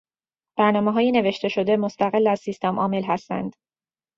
برنامههای نوشتهشده مستقل از سیستمعامل هستند.